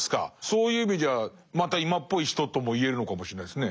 そういう意味じゃまた今っぽい人とも言えるのかもしれないですね。